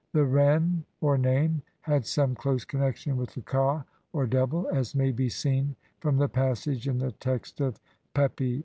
The ren, or name, had some close connexion with the ka, or double, as may be seen from the passage in the text of Pepi I.